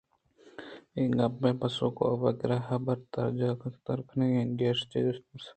اے گپ ءِ پسوءَ کاف ءِ کِرّا حبر ءِ درٛاج تر کنگ ءُگیشیں جسُت ءُپرس وَ زانت ءُ سرپدی گرِگ ءِ بوُت